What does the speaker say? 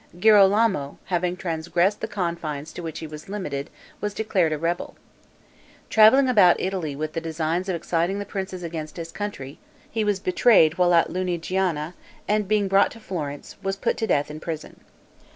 Girolamo, having transgressed the confines to which he was limited, was declared a rebel. Traveling about Italy, with the design of exciting the princes against his country, he was betrayed while at Lunigiana, and, being brought to Florence, was put to death in prison.